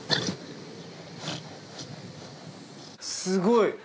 すごい。